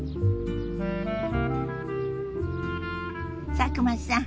佐久間さん